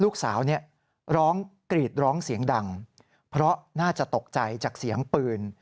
ลูกสาวเนี่ยร้องกรีดร้องเสียงดังเพราะน่าจะตกใจจากเสียงปืน